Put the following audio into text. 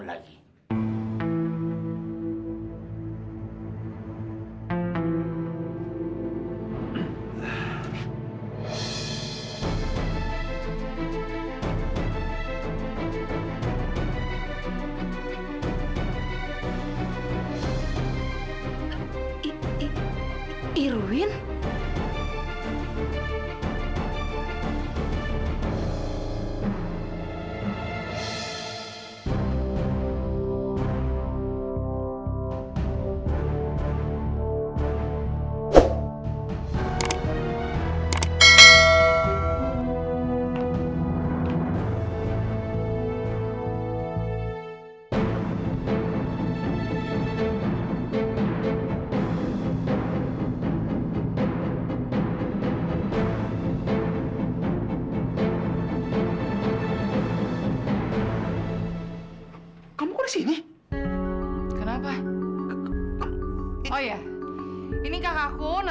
kalian adik kakak beneran